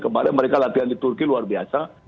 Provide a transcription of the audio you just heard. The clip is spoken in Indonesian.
kemarin mereka latihan di turki luar biasa